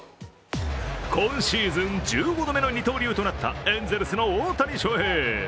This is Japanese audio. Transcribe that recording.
今シーズン、１５度目の二刀流となったエンゼルスの大谷翔平。